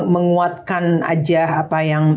menguatkan aja apa yang